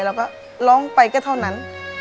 เราก็ร้องไปก็เท่านั้น